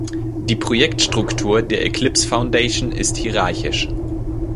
Die Projektstruktur der Eclipse Foundation ist hierarchisch.